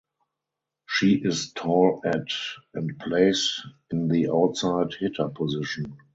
She is tall at and plays in the Outside Hitter position.